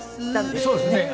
そうですね。